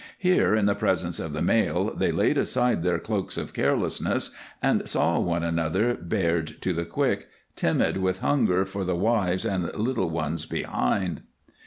Here in the presence of the Mail they laid aside their cloaks of carelessness and saw one another bared to the quick, timid with hunger for the wives and little ones behind.